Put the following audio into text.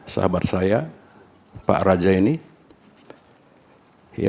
sahabat saya pak raja ini